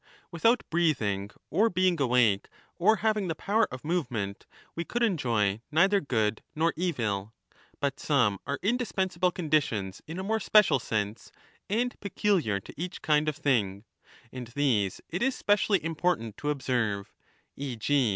without breath 20 ing or being awake or having the power of movement we could enjoy neither good nor evil ; but some are indispen sable conditions in a more special sense and peculiar to each kind of thing, and these it is specially important to observe ; e.g.